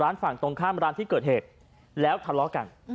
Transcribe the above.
เล่ากันอยู่ร้านฝั่งตรงข้ามร้านที่เกิดเหตุแล้วทะเลาะกัน